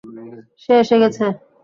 সে এসে গেছে।